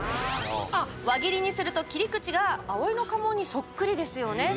輪切りにすると切り口が葵の家紋にそっくりですよね。